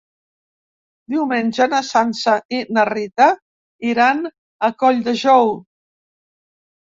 Diumenge na Sança i na Rita iran a Colldejou.